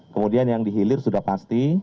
kemudian yang di hilir sudah pasti